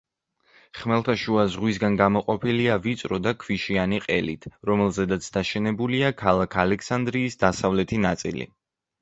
ხმელთაშუა ზღვისგან გამოყოფილია ვიწრო და ქვიშიანი ყელით, რომელზედაც დაშენებულია ქალაქ ალექსანდრიის დასავლეთი ნაწილი.